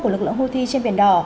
của lực lượng houthi trên biển đỏ